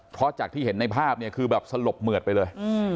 เพราะจากที่เห็นในภาพเนี่ยคือแบบสลบเหมือดไปเลย